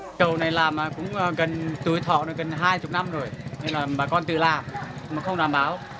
cây cầu này là cây cầu của bà con bà con tự làm không đảm báo